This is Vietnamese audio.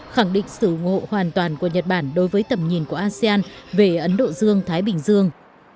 khẳng định sự ủng hộ hoàn toàn của nhật bản đối với tầm nhìn của asean về ấn độ dương thái bình dương